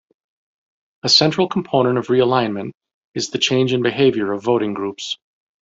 A central component of realignment is the change in behavior of voting groups.